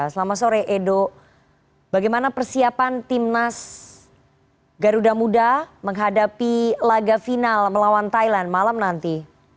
selamat sore edo bagaimana persiapan timnas garuda muda menghadapi laga final melawan thailand malam nanti